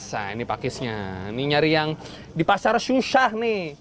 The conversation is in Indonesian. nah ini pakisnya ini nyari yang di pasar susah nih